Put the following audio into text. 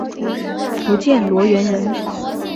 福建罗源人。